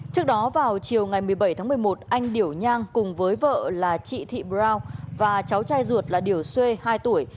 trước đó vào chiều ngày một mươi bảy tháng một mươi một anh điểu nhang cùng với vợ là chị thị brow và cháu trai ruột là điều xuê hai tuổi